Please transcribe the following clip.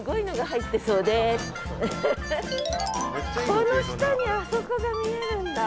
この下にあそこが見えるんだ。